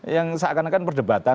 yang seakan akan perdebatan